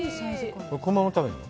このまま食べるの？